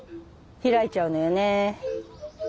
開いちゃうのよね。